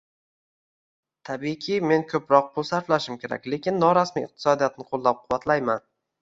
Tabiiyki, men ko'proq pul sarflashim kerak, lekin norasmiy iqtisodiyotni qo'llab -quvvatlayman